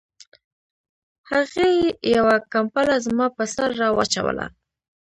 هغې یوه کمپله زما په سر را واچوله